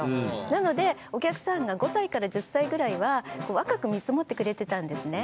なのでお客さんが５歳から１０歳ぐらいは若く見積もってくれてたんですね。